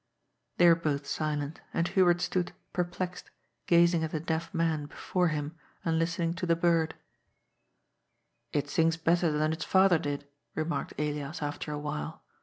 They were both silent, and Hubert stood, perplexed, gazing at the deaf man before him and listening to the bird. 332 GOD'S FOOL. It sings better than its father did," remarked Elias after a while.